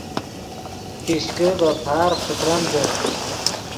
پیشکے ڤے پارغ پتریمدے